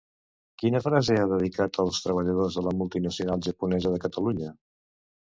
Quina frase ha dedicat als treballadors de la multinacional japonesa de Catalunya?